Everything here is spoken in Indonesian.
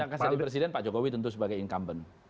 yang akan jadi presiden pak jokowi tentu sebagai incumbent